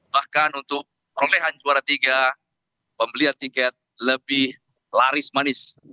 bahkan untuk perolehan juara tiga pembelian tiket lebih laris manis